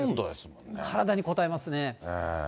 体にこたえますね。